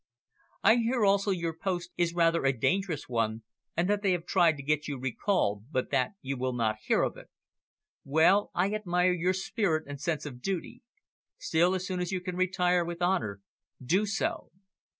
"I hear also your post is rather a dangerous one, and that they have tried to get you recalled, but that you will not hear of it. Well, I admire your spirit and sense of duty. Still, as soon as you can retire with honour, do so.